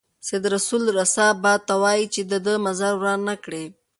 سید رسول رسا باد ته وايي چې د ده مزار وران نه کړي.